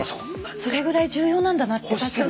それぐらい重要なんだなって確かに。